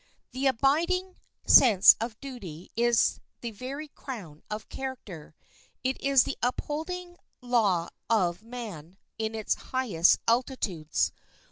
The abiding sense of duty is the very crown of character. It is the upholding law of man in his highest attitudes.